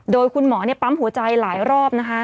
โดยคุณหมอปั๊มหัวใจหลายรอบนะคะ